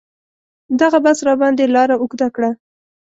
دغه بس راباندې لاره اوږده کړه.